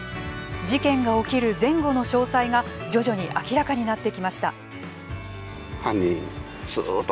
事件が起きる前後の詳細が徐々に明らかになってきました。